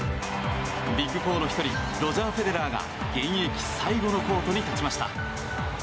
ビッグ４の１人ロジャー・フェデラーが現役最後のコートに立ちました。